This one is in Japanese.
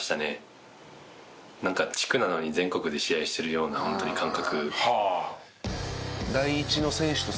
地区なのに全国で試合してるようなホントに感覚。